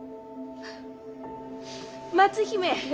松姫。